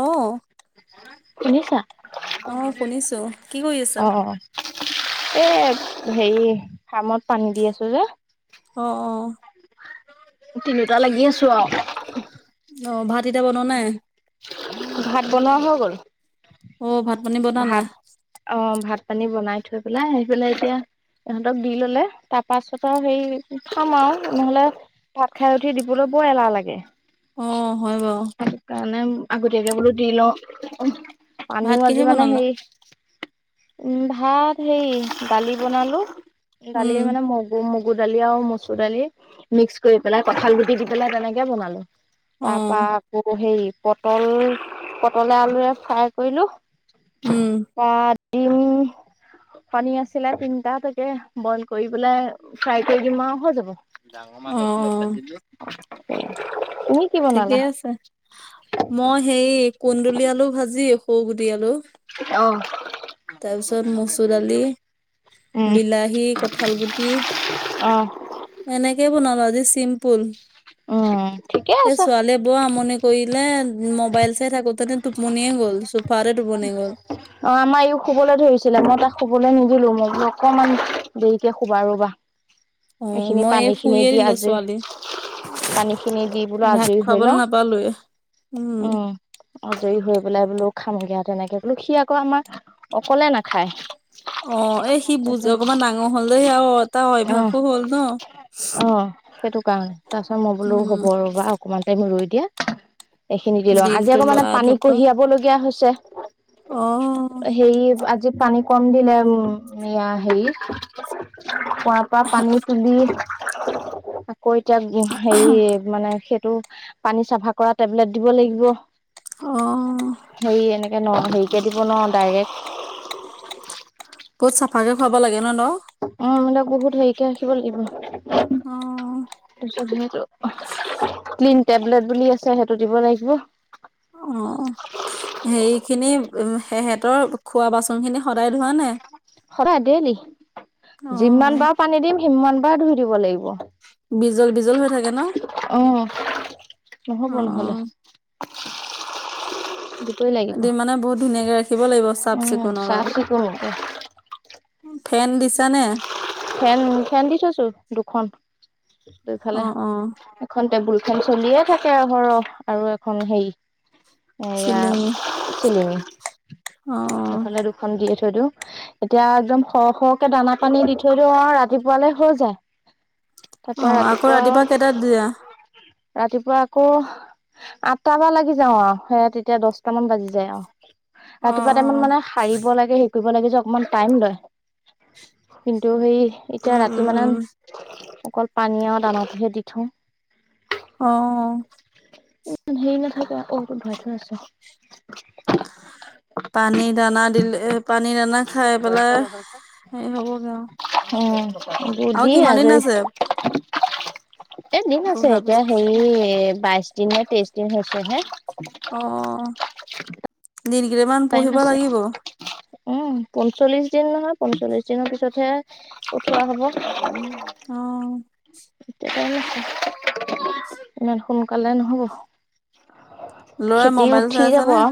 অ, শুনিছা? অ', শুনিছো কি কৰি আছা? অঁ, এ হেৰি ফাৰ্মত পানী দি আছো যে অ, অ, তিনিওটা লাগি আছো আও অ ভাত এতিয়া বনোৱা নাই? ভাত বনোৱা হৈ গ'ল। অ ভাত পানী বনালা? ভাত অ ভাত পানী বনাই থৈ পেলাই আহি পেলাই এতিয়া ইহঁতক দি ললে তাৰ পাছত আৰু সেৰি খাম আও নহ'লে ভাত খাই উঠি দিবলৈ বৰ এলাহ লাগে। অ হয় বাও। সেইটো কাৰণে আগতীয়াকে বোলো দি লওঁ ভাত পানীও আ- কিহে বনালা? উম ভাত সেই দালি বনালো। উম, দালিৰ মানে মগ- গু মগু দালি, আৰু মচুৰ দালি মিক্স কৰি পেলাই কঁঠাল গুটি দি পেলাই তেনেকে বনালো। তাৰ অ', পৰা আকৌ হেৰি পটল পটলে আলুৱে ফ্ৰাই কৰিলো। [inaudible] উম। পা ডিম কণী আছিলে তিনটা তাকে বইল কৰি পেলাই ফ্ৰাই কৰি দিম আও হৈ যাব। ডাঙ মাছ অ', আছিলে অ', ভাজিলো। তুমিক- ঠিকেই আছে। মই হেই কুন্দুলি, আলু, ভাজি সৰু গুটি আলু। অহ। তাৰপিছত মচুৰ দালি, উম বিলাহী, কঁঠাল গুটি। অ' এনেকে বনালো আজি চিম্পুল, উম ঠিকে সেই আছে। ছোৱালীয়ে বৰ আমনি কৰিলে মোবাইল চাই থাকোতে টোপনিয়ে গ'ল চোফাৰতে টোপনি গ'ল। অ আমাৰ ইয়ো শুবলৈ ধৰিছিলে মই তাক শুবলৈ নিদিলো মই বোলো অকমান দেৰিকে শুবা ৰবা। অ', এইখিনি মই এই পানী খিনি শুইয়ে দি দিলে ছোৱালী আজৰি। পানী খিনি দি বোলে ভাত আজৰি হৈ খুৱাবলৈ লওঁ, নাপালোয়ে। উম। আজৰি হৈ পেলাই বোলো খামগে তেনেকে বোলো সি আকৌ আমাৰ অকলে নাখায়। অ এ সি বুজ তাৰপিছত অকমান ডাঙৰ হলেই আৰু এটা অ', অভ্যাসো হল ন। অ সেইটো কাৰণে তাৰপিছত মই বোলোঁ উম হ'ব ৰ'বা অকমান টাইম ৰই দিয়া। এইখিনি দি লওঁ, আজি দিনটো আকৌ মানে লৰা পানী ধপ কঢ়িয়াবলগীয়া হৈছে। অ সেই আজি পানী কম বিলাইও এইয়া হেৰি। পোৱাপ পা পানী তুলি কৈ এতিয়া হেৰি মানে সেইটো পানী চাফা কৰা টেবলেট দিব লাগিব। অ হেৰি এনেকে ন হেৰিকে দিব ন ডাইৰেক্ট। বহুত চাফাকে খুৱাব লাগে ন দ? অ মিলাক বহুত হেৰিকে ৰাখিব লাগিব। অ। তাপিছত সেইটো, ক্লিন টেবলেট বুলি আছে সেইটো দিব লাগিব। অ সেইখিনি উ সেহঁতৰ খোৱা বাচন খিনি সদায় ধোৱা নাই? সদায় ডেইলী, অ যিমান বাৰ পানী দিম সিমান বাৰ ধুই দিব লাগিব। বিজল বিজল হৈ থাকে ন অ, অ নহব নহলে। দুটোৱে লাগিব। দিম মানে বহুত ধুনীয়াকে ৰাখিব লাগিব চাফ অ', চিকুণত আও। চাফ চিকুণ ফেন দিছা নে? ফেন ফেন দি থৈছোঁ, দুখন অ দুইফালে। অ এখন টেবুল খেন চলিয়ে থাকে সৰহ আৰু এখন সেই চিলিঙি, অ। সেইফালে দুখন দিয়ে থৈ দিওঁ। এতিয়া একদম সৰহ সৰহকে দানা পানী দি থৈ দিও আও ৰাতিপুৱালে হৈ যায়। তা অ পা আকৌ ৰাতিপুৱা আও কেইটাত দিয়া ৰাতিপুৱা আকৌ আঠটা বা লাগি যাও আও সেয়া তেতিয়া দশটাামান বাজি যায় অহ। অ ৰাতিপুৱা টাইমত অ মানে পাৰিব লাগে সে কৰিব লাগে যে অকমান টাইম লয় কিন্তু সেই এতিয়া উম, উম, ৰাতি উম, মানেন অকল পানী আৰু দানতহে দি থওঁ। অ', হেৰি নাথাকে অ, ঔ এইটোত ভৰাই থোৱা আছে। পানী দানা দিলে পানী দানা খাই পেলাই হেই হ'বগে আওঁ। উম, এইবোৰ দি আজৰি। আছে এ দিন আছে পঢ়াৰ এতিয়া পিছত? হেৰি বাইছ দিন নে তেইছ দিন হৈছে হে। অ, দিন গিতামান টাইম পঢ়িব আছে লাগিব। উম, পঞ্চল্লিশ দিন নহয় পঞ্চল্লিশ দিনৰ পিছতহে পঠোৱা হব। অ', [unintelligible] ইমান সোনকালে নহব? ল'ৰাই খিতি মোবাইল উঠি চাই আছে যাব নে? আও।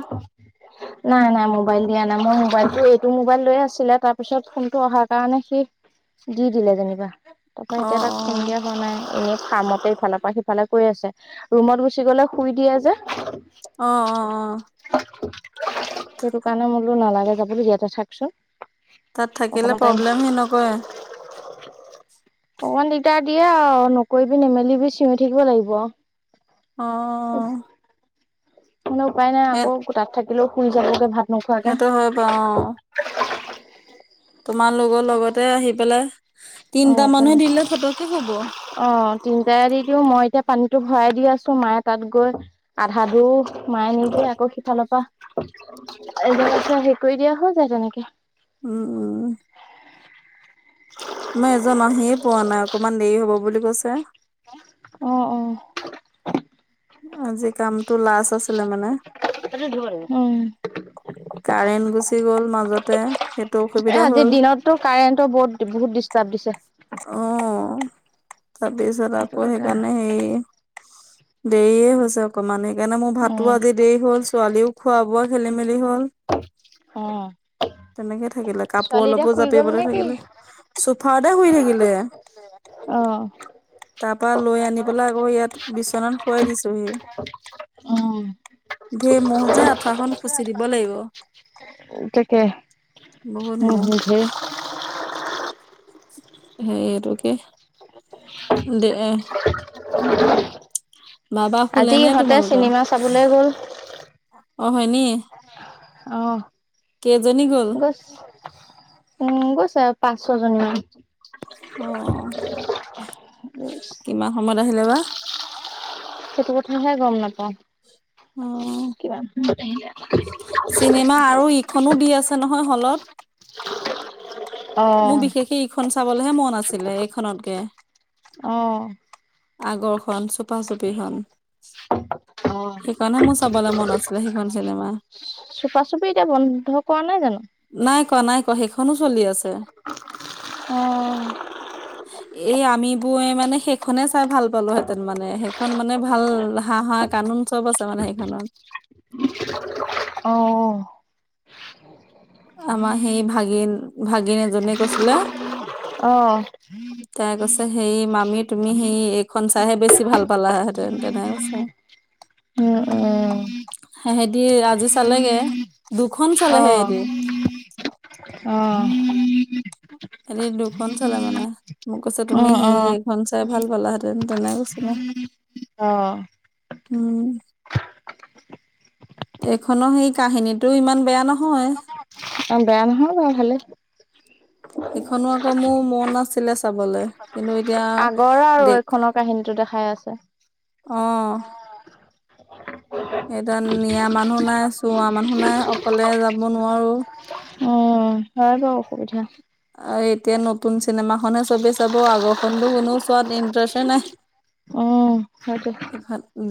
নাই-নাই মোবাইল দিয়া নাই মই মোবাইলটো এইটো মোবাইল লৈ আছিলে তাৰ পিছত ফোনটো অহাৰ কাৰণে সি দি দিলে যেনিবা তাৰপৰা অ', এতিয়া তাক ফোন অ', দিয়া হোৱা নাই এনেই ফাৰ্মতে ইফালৰ পৰা সিফালে কৈ আছে ৰুমত গুচি গলে শুই দিয়ে যে। অ', অ', অ',। সেইটো কাৰণে মই বোলোঁ নালাগে যাবলে ইয়াতে থাকচোন। তাত থাকিলে অকমান টাইম প্ৰব্লেম হি নকৰে? অকমান দিগদাৰ দিয়ে আৰু নকৰিবি নেমেলিবি চিঞৰি থাকিব লাগিব আও। অ',। এনেও উপায় নাই এ আকৌ কোঠাত থাকিলেও শুই যায়গে ভাত নোখোৱাকে সেইটো হয় বাৰু অ',। তোমাৰ লগৰ লগতে আহি পেলাই অ তিনটা অকমান মানুহে দিলে ফটকে হব। অ, তিনিটাই দি দিওঁ মই এতিয়া পানীটো ভৰাই দি আছোঁ মায়ে তাত গৈ আধা [unintelligible] মায় নি কিনে আকৌ সিফালৰ পা এজন আছে হেই কৰি দিয়া হৈ যায় তেনেকে। উম- উম মই এজন আহিয়ে পোৱা নাই অকমান দেৰি হ'ব বুলি কৈছে। অ', অ', আজি কামটো লাছ আছিলে মানে। [unintelligible] উম। কাৰেণ্ট গুচি গ'ল মাজতে। সেইটো এ অসুবিধা আজিৰ হ'ল দিনততো কাৰেণ্টৰ বহুত-বহুত ডিষ্টাৰ্ব দিছে। অ, তাৰপিছত সেইটো আকৌ কথা সেইকাৰণে হেই দেৰিয়ে হৈছে অকমান সেইকাৰণে মোৰ ভাতো উম। আজি দেৰি হ'ল ছোৱালীও খোৱা-বোৱা খেলি-মেলি হ'ল। অ', তেনেকে থাকিলে কাপোৰ ছোৱালী এতিয়া অলপো শুই গ'ল জাপিবলৈ নেকি? থাকিলে, চোফাওতে শুই থাকি কিলে। তাৰপা লৈ আনি পেলাই আকৌ ইয়াত বিচনাত শুৱাই দিছোহি। উম, ধেৰ মো'হ যে আঁঠুৱা খন খুচি দিব লাগিব। [unintelligible] তাকে বহুত মহ নুহোধে। সেইটোকে দে বাবা শুলে আজি নে ইহঁতে তোমালোকৰ চিনেমা চাবলে গ'ল। অ, হয়নি? অহ, কেইজনী গ'ল গছ উম, গৈছে আও পাঁচ, ছয় জনী মান। অহ, কিমান সময়ত আহিলে বা। সেটো কথাহে গম নাপাওঁ অ', কিমান সময়ত আহিলে। চিনেমা আৰু ইখনো দি আছে নহয় হলত। মোৰ অ', বিশেষকে ইখন চাবলেহে মন আছিলে এইখনতকে। অহ আগৰখন চুপা চুপিখন। সেইকাৰণে মোৰ চাবলে মন আছিলে সেইখন চিনেমা। চুপা চুপি এতিয়া বন্ধ কৰা নাই জানো? নাই কৰা নাই কৰা সেইখনো চলি আছে। অহ' এ আমিবোৱে মানে সেইখনে চাই ভাল। পালোহেঁতেন মানে সেইখন মানে ভাল হাঁহা কানুন চব আছে মানে সেইখনত। অহ' আমাৰ সেই ভাগিন ভাগিন এজনে কৈছিলে। অ', তাই কৈছে সেই মামী তুমি সি এইখন চাইহে বেছি ভাল পালাহেতেন তেনে কৈছে। উম উম' সেহেঁতি আজি চালেগে। দুখন চালে অহ' সেহেঁতি অহ', হেতি দুখন চালে মানে, মোক কৈছে তুমি অ', হেৰি অ'। এইখন চাই ভাল পালাহেঁতেন তেনে কৈছিলে। অহ' উম' এইখনৰ সেই কাহিনীটো ইমান বেয়া নহ বেয়া নহয় বাৰু ভালে, ইখনো আকৌ মোৰ মন আছিলে চাবলে, কিন্তু এতিয়া দিখ কাহিনী টো দেখাই আছে। অহ' এতিয়া নিয়া মানুহ নাই চোওৱা মানুহ নাই অকলে যাব নোৱাৰো। অ হয় বাও অসুবিধা অ এতিয়া নতুন চিনেমাখনহে চবে চাব আগৰখনতো কোনোও চোৱাত ইণ্টাৰেষ্ট নাই উম হয়টো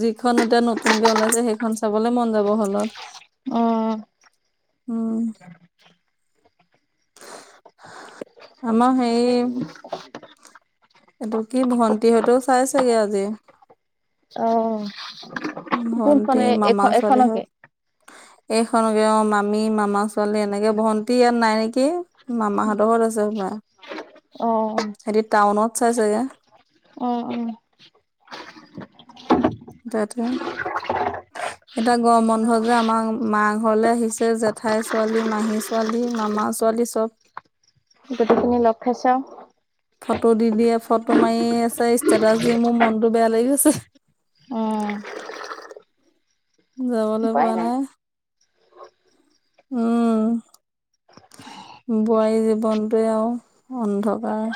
যিখন এতিয়া নতুনকে ওলাইছে সেইখন চাবলে মন যাব হলৰ। অ উম' আম সেই এইটো কি ভণ্টি হতেও চাইচেগে আজি। অহ কোনখন ভন্টি এ মামা এখনকে? ছোৱালীহঁত এইখনকে অহ' মামী, মামা ছোৱালী, এনেকে ভণ্টি ইয়াত নাই নেকি। মামাহঁতৰ ঘৰত আছে হপায়। অ সেতি টাউনত চাইছে গে অ অ তাতে [unintelligible] এতিয়া গৰম বন্ধ যে আমাৰ মা ঘৰলে আহিছে জেঠাই ছোৱালী মাহী ছোৱালী মামা ছোৱালী চব আপুনি লগ খাই চা ফটো দি দিয়ে ফটো মাৰি আছে ষ্টেটাচ দি মোৰ মনতটো বেয়া লাগি গৈছে উম যাবলে পোৱা নাই উম বোৱাৰী জীৱনটোৱে আউ অন্ধকাৰ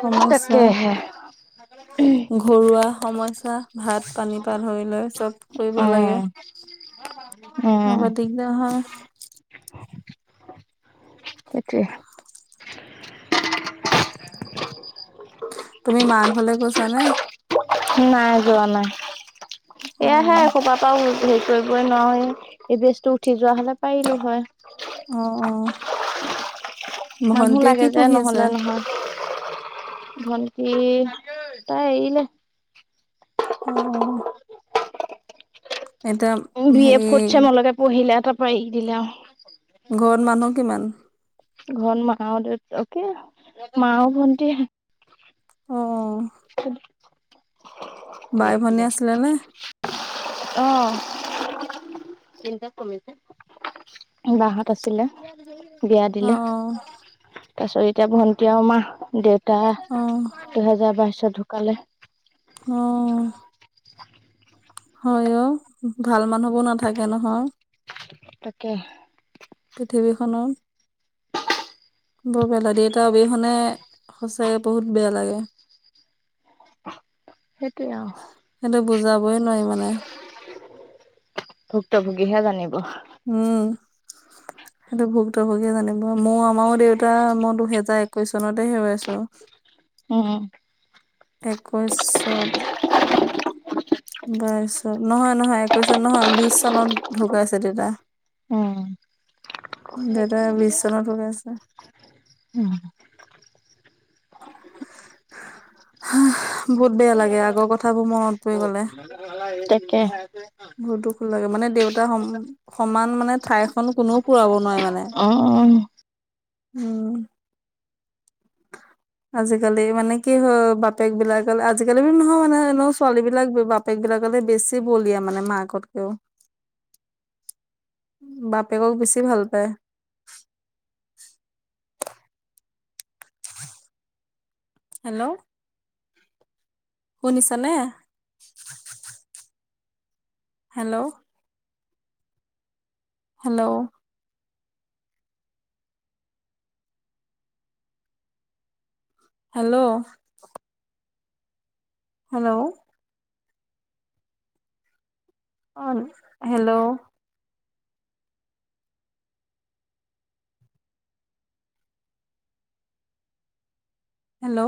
সমস্যা উম ঘৰুৱা সমস্যা ভাত পানী পা ধৰি লৈ চব কৈৱ লাগে। [unintelligible] অ চি অ উম বৰ দিগদাৰ হয়। সেইটোৱে ঠা তুমি মা ঘৰলে গৈছা নে? নাই যোৱা নাই অ এয়াহে কবা। পাও সেই কৰিবৈ নোৱাৰো এই বেজটো উঠি যোৱা হলে পাৰিলো হয়। অঁ অ অ অ। মানুহ লাগে পঢ়ি যে আছে? নহলে নহয়। ঘঘঘৰৰৰ গৰ গৰ গৰ ভণ্টি তাকেই তাই এৰিলে। চু অ অ অ অ। বি এ হেৰি ফৰ্থ চেমলৈকে পঢ়িলে তাৰপৰা এৰি দিলে আৰু ঘৰত মানুহ কিমান? ঘৰত মাও দেউতা অ কি মা আৰু ভণ্টি হে। অঁ অ অ অ। ঠুন খ অ অ অ। বাই-ভনী আছিলে নে। সি অ অ অ, অ অ অ চিন্তা কমিছে। ঠক বাহঁত আছিলে বেয়াটো তো লাগিই আছে। বিয়া অ দিলে অ তাৰপিছত এতিয়া ভণ্টি আৰু মাহ দেউতা। অ দুহেজাৰ বাইশত ঢুকালে। অ অ অ অ। হয় অ ভাল মানুহবোৰ নাথাকে নহয়। তাকেহ। পৃথিৱীখনৰ বৰ বেলা দেউতাৰ অবিহনে সঁচাকে বহুত বেয়া লাগে। সেইটোৱে আ অ অ। সেইটো বুজাবই নোৱাৰি মানে ভুক্তভোগীহে জানিব। উম উ। চেহা। সেইটো ভুক্তভোগীয়ে জানিব মোৰ আমাৰও দেউতা মই দুহেজাৰ একৈশ চনতে হেৰুৱাইছো। উম উ। একৈশত। বাইছত নহয় নহয় একৈশ চন নহয় বিশ চনত ঢুকাইছে দেউতা। উম উম, দেউতাৰে বিচ চনত হৈ আছে। হু হু উমহু। সে সে আ, হাঁফ বহুত বেয়া লাগে আগৰ কথাবোৰ মনত পৰি গলে। তাকে। মোৰ দুখো লাগে মানে দেউতা সম সমান মানে ঠাই খন কোনেও পুৰাব নোৱাৰে মানে অঁ অ অ অ। উম উ উ উ। [inaudible] আজিকালি মানে কি হয় বাপেক বিলাক আজিকালি নহয় মানে এনে ছোৱালী বিলাক বে বা বাপেক বিলাকলে বেছি বলিয়া মানে মাকতকেও। [inaudible] চি, বাপেকক বেছি ভাল পায়। হেল্ল', শুনিছা নে? হেল্ল' হেল্ল' হেল্ল' হেল্ল' অ'ন হেল্ল' হেল্ল'